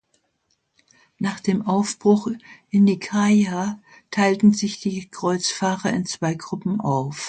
Nach dem Aufbruch in Nikaia teilten sich die Kreuzfahrer in zwei Gruppen auf.